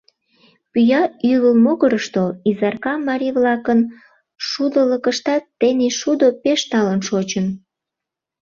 Пӱя ӱлыл могырышто Изарка марий-влакын шудылыкыштат тений шудо пеш талын шочын.